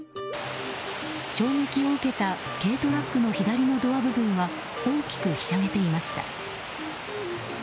衝撃を受けた軽トラックの左のドア部分は大きくひしゃげていました。